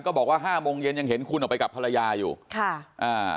บอกว่าห้าโมงเย็นยังเห็นคุณออกไปกับภรรยาอยู่ค่ะอ่า